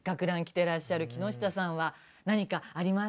てらっしゃる木下さんは何かありますか？